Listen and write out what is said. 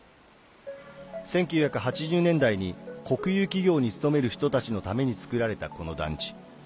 １９８０年代に国有企業に勤める人たちのために作られた、この団地。